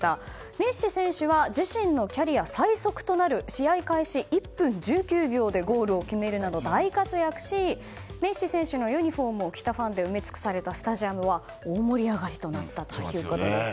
メッシ選手は自身のキャリア最速となる試合開始１分１９秒でゴールを決めるなど大活躍し、メッシ選手のユニホームを着たファンで埋め尽くされたスタジアムは大盛り上がりとなったということです。